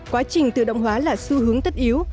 quá trình tự động hóa là xu hướng tất yếu